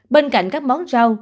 bên cạnh các món rau